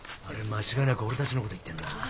あれ間違いなく俺たちの事言ってんな。